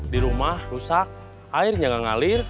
di rumah rusak airnya ngalir